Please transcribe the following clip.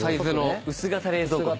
薄型冷蔵庫。